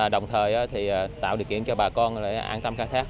đồng thời tạo điều kiện cho bà con an tâm khai thác